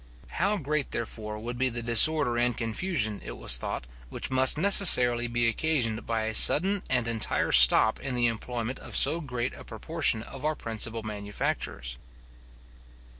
How great, therefore, would be the disorder and confusion, it was thought, which must necessarily be occasioned by a sudden and entire stop in the employment of so great a proportion of our principal manufacturers?